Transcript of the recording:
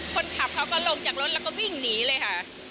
คนขับเขาก็ลงจากรถแล้วก็วิ่งหนีเลยค่ะ